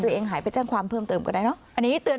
ตัวเองหายไปจังความเพิ่มเติมก็ได้เนอะ